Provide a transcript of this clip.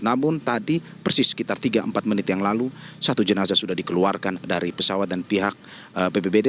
namun tadi persis sekitar tiga empat menit yang lalu satu jenazah sudah dikeluarkan dari pesawat dan pihak bpbd